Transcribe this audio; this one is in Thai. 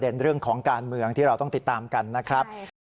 เรื่องของการเมืองที่เราต้องติดตามกันนะครับ